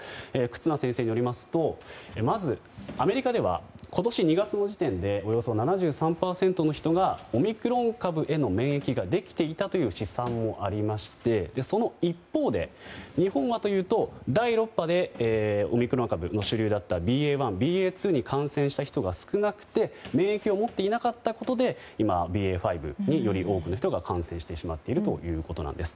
忽那先生によりますとまず、アメリカでは今年２月の時点でおよそ７３％の人がオミクロン株への免疫ができていたという試算もありましてその一方で日本はというと第６波でオミクロン株、主流だったＢＡ．１ＢＡ．２に感染した人が少なくて免疫を持っていなかったことで今はＢＡ．５により多くの人が感染してしまっているということなんです。